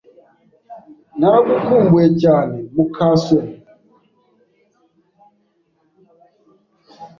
Naragukumbuye cyane, muka soni.